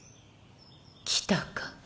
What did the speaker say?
来たか。